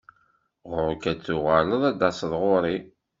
Ɣur-k ad tuɣaleḍ ad d-taseḍ ɣur-i.